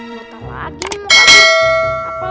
gak tau lagi mau ngapain